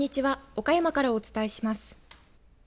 岡山からお伝えします。